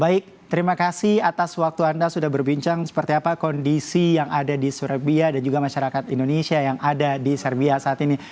baik terima kasih atas waktu anda sudah berbincang seperti apa kondisi yang ada di serbia dan juga masyarakat indonesia yang ada di serbia saat ini